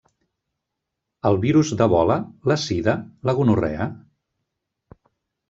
El virus d'Ebola, la sida, la gonorrea?